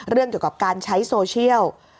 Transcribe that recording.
เรื่องเกี่ยวกับการใช้โซเชียล